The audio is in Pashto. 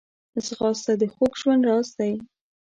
ځغاسته د خوږ ژوند راز دی